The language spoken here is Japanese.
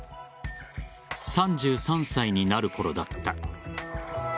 ３３歳になるころだった。